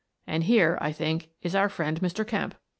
And here, I think, is our friend Mr. Kemp.